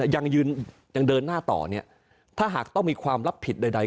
ยังเดินหน้าต่อเนี่ยถ้าหากต้องมีความรับผิดใด